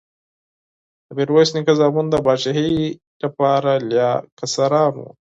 د میرویس نیکه زامن د پاچاهۍ لپاره لا کشران وو.